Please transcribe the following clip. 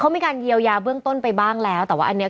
เขามีการเยียวยาเบื้องต้นไปบ้างแล้วแต่ว่าอันนี้